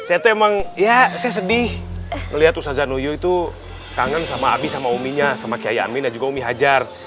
saya tuh emang ya saya sedih melihat usaza nuyu itu kangen sama abi sama uminya sama kiai amin dan juga umi hajar